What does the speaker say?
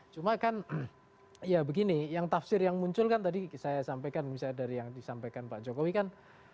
cuma kan ya begini yang tafsir yang muncul kan tadi saya sampaikan misalnya dari yang disampaikan pak jokowi kan